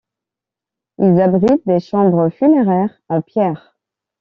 Ils abritent des chambres funéraires en pierre.